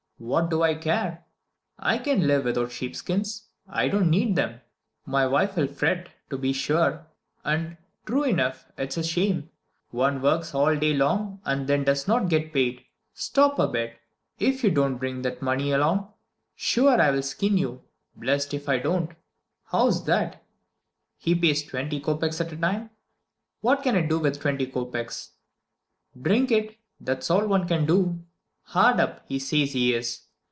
What do I care? I can live without sheep skins. I don't need them. My wife will fret, to be sure. And, true enough, it is a shame; one works all day long, and then does not get paid. Stop a bit! If you don't bring that money along, sure enough I'll skin you, blessed if I don't. How's that? He pays twenty kopeks at a time! What can I do with twenty kopeks? Drink it that's all one can do! Hard up, he says he is!